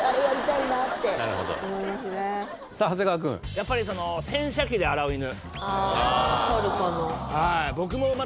やっぱりその洗車機で洗う犬